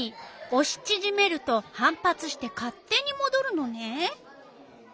おしちぢめると反発して勝手にもどるのね。